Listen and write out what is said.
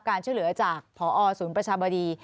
การช่วยเหลือจากพอศูนย์ประชาบดี